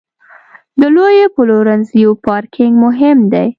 د لویو پلورنځیو پارکینګ مهم دی.